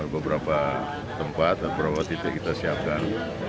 beberapa tempat beberapa titik kita siapkan